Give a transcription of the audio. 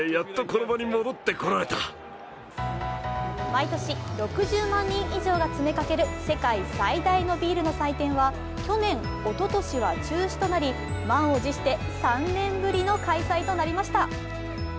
毎年６００万人以上が詰めかける世界最大のビールの祭典は去年、おととしは中止となり満を持して３年ぶりの開催となりました。